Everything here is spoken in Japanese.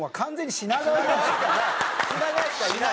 品川しかいない。